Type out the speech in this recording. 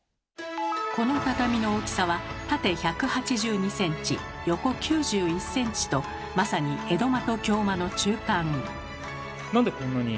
この畳の大きさは縦１８２ｃｍ横９１ｃｍとまさに江戸間と京間の中間。